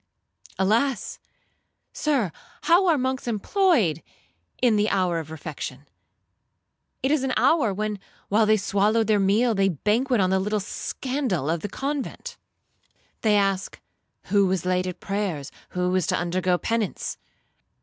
Alas! Sir, how are monks employed in the hour of refection? It is an hour, when, while they swallow their meal, they banquet on the little scandal of the convent. They ask, 'Who was late at prayers? Who is to undergo penance?'